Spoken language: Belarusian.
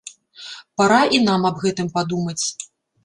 Пара і нам аб гэтым падумаць!